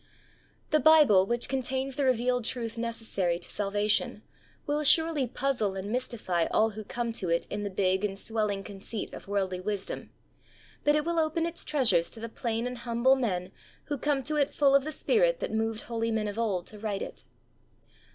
The Bible, which contains the revealed truth necessary to salvation, will surely puzzle and mystify all who come to it in the big 116 THE soul winner's SECRET. and swelling conceit of worldly wisdom, but it will open its treasures to the plain and humble men who come to it full of the Spirit that moved holy men of old to write it.